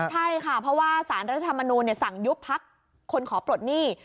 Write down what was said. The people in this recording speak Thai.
ใช่ค่ะเพราะว่าสารรัฐธรรมนูลสั่งยุบพักคนขอปลดหนี้